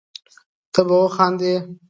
ته به وخاندي